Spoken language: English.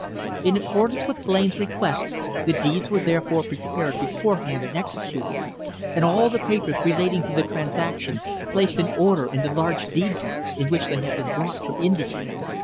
In accordance with Blain's request the deeds were therefore prepared beforehand and executed, and all the papers relating to the transaction placed in order in the large deed box in which they had been brought from India.